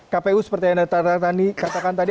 kpu seperti yang anda tani katakan tadi